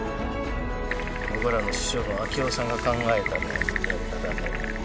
僕らの師匠の明雄さんが考えたやり方でね。